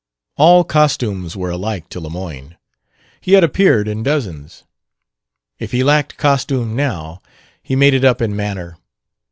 All costumes were alike to Lemoyne; he had appeared in dozens. If he lacked costume now, he made it up in manner.